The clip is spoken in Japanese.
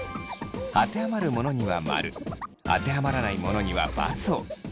あてはまるものには○あてはまらないものには×を。